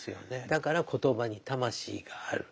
だから言葉に魂がある。